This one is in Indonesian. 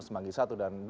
semanggi satu dan dua